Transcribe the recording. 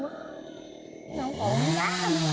nó không ổn quá